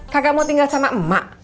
kagak mau tinggal sama emak